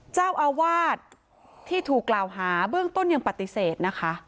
เจ้าอาวาสที่ถูกกล่าวหาเบื้องต้นยังปฏิเสธนะคะ